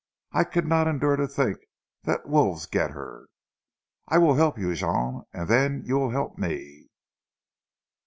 "I could not endure to tink dat zee wolves get her " "I will help you, Jean. And then you will help me."